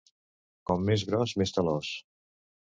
Com més gros, més talòs.